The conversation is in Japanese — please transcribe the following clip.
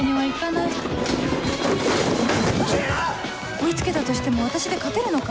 追い付けたとしても私で勝てるのか？